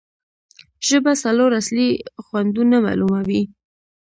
ژبه څلور اصلي خوندونه معلوموي.